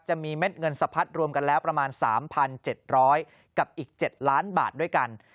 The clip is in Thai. เม็ดเงินสะพัดรวมกันแล้วประมาณ๓๗๐๐กับอีก๗ล้านบาทด้วยกัน